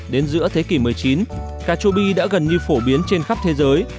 đến giữa thế kỷ một mươi chín cà chua bi đã gần như phổ biến trên khắp thế giới